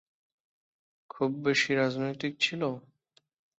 খুব বেশি রাজনৈতিক ছিল?